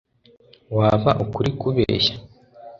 Waba ukuri kubeshya